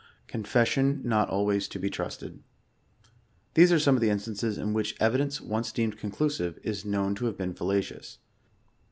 Confession not always to be trusted. These ate some of the instances in which evidence once deemed conclusive *is known to have been fallacious.